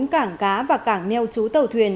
bốn cảng cá và cảng neo trú tàu thuyền